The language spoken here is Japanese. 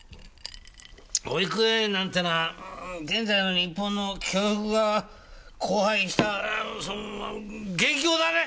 保育園なんてのは現在の日本の教育が荒廃したその元凶だね！